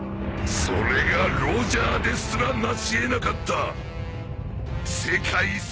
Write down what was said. それがロジャーですらなし得なかった世界最強の証しだ！